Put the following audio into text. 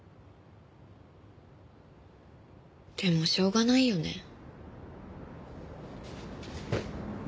でもしょうがないよね。